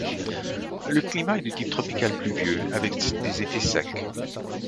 Le climat est de type tropical pluvieux, avec des étés secs.